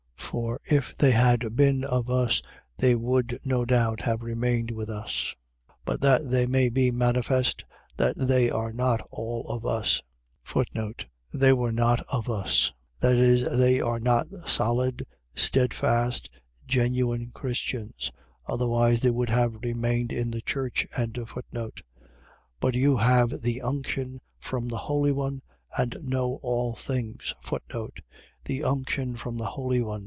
For if they had been of us, they would no doubt have remained with us: but that they may be manifest, that they are not all of us. They were not of us. . .That is, they were not solid, steadfast, genuine Christians: otherwise they would have remained in the church. 2:20. But you have the unction from the Holy One and know all things. The unction from the Holy One.